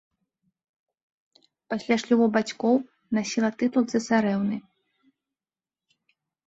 Пасля шлюбу бацькоў насіла тытул цэсарэўны.